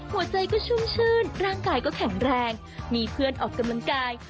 หัวใจก็ชุ่มชื่นร่างกายก็แข็งแรงมีเพื่อนออกกำลังกาย